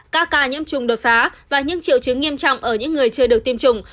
các ca nhiễm trùng đột phá và những triệu chứng nghiêm trọng ở những người chưa được tiêm chủng